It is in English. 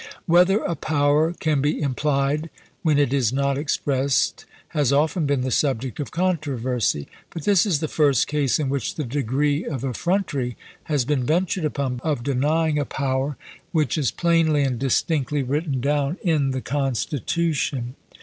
Whether a power can be implied when it is not expressed has often been the subject of controversy ; but this is the first case in which the degree of effrontery has been ventured upon, of denying a power which is plainly and distinctly written down in the Constitution.